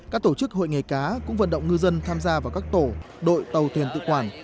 các tổ chức hội nghề cá cũng vận động ngư dân tham gia vào các tổ đội tàu thuyền tự quản